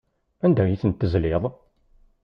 Anda ay ten-tezliḍ?